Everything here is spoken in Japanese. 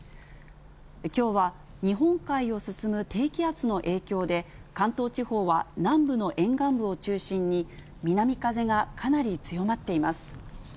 きょうは日本海を進む低気圧の影響で、関東地方は南部の沿岸部を中心に、南風がかなり強まっています。